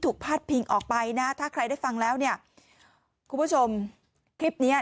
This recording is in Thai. พาดพิงออกไปนะถ้าใครได้ฟังแล้วเนี่ยคุณผู้ชมคลิปเนี้ย